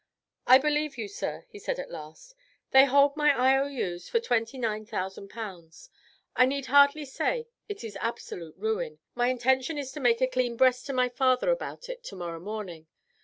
"I believe you, sir," he said at last. "They hold my IOUs for 29,000 pounds. I need hardly say it is absolute ruin. My intention is to make a clean breast to my father about it tomorrow morning.